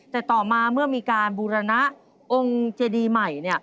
แต่ต่อมาเมื่อมีการบูรณะองค์เจดีใหม่